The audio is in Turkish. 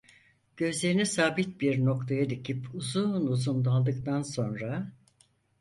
Gözlerini sabit bir noktaya dikip uzun uzun daldıktan sonra: